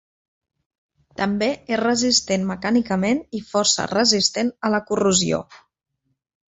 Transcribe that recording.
També és resistent mecànicament i força resistent a la corrosió.